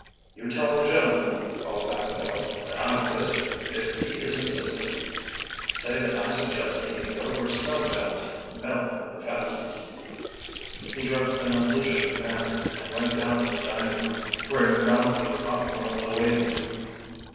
"You tell the gentleman," called back Bill, "that I'm busy. If he is insistent, say that I suggest he can go where snowballs melt the fastest." He dressed in a leisurely manner and went down to the dining room, where he found a hot meal awaiting him.